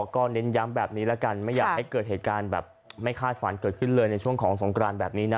ก็เน้นย้ำแบบนี้แล้วกันไม่อยากให้เกิดเหตุการณ์แบบไม่คาดฝันเกิดขึ้นเลยในช่วงของสงกรานแบบนี้นะ